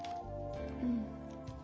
うん。